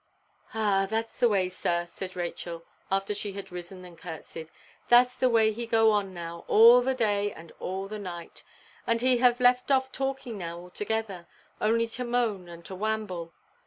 "Ah, thatʼs the way, sir," said Rachel, after she had risen and curtseyed, "thatʼs the way he go on now, all the day and all the night; and he have left off talking now altogether, only to moan and to wamble.